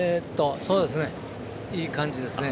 いい感じですね。